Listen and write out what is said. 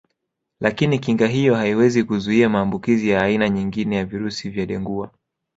Lakini kinga hiyo haiwezi kuzuia maambukizi ya aina nyingine ya virusi vya Dengua